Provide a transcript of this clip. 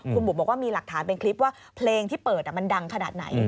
คุณบุ๋มบอกว่ามีหลักฐานเป็นคลิปว่าเพลงที่เปิดมันดังขนาดไหน